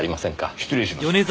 失礼します。